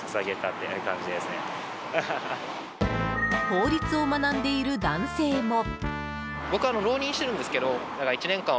法律を学んでいる男性も。